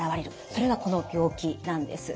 それがこの病気なんです。